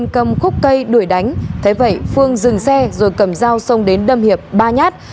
cây đuổi đánh thế vậy phương dừng xe rồi cầm dao xong đến đâm hiệp ba nhát